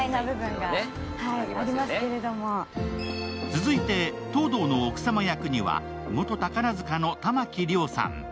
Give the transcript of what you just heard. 続いて、東堂の奥様役には元宝塚の珠城りょうさん。